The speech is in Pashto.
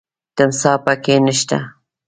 تمساح پکې نه شته .